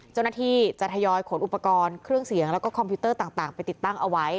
เจ้าหน้าที่จะทยอยขนอุปกรณ์เครื่องเสียงแล้วก็คอมพิวเตอร์ต่างไปติดตั้งเอาไว้